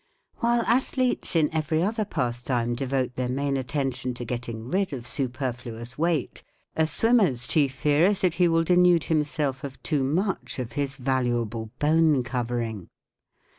While athletes in every other pastime devote their main attention to getting rid of superfluous weight, a swimmer's chief fear fe that he will denude himself of too much of his valuable bone covering.